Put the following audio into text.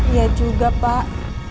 iya juga pak